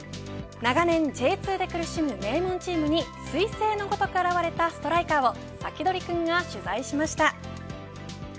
長年Ｊ２で苦しむ名門チームに彗星のごとく現れたストライカーをサキドリくんが取材しました。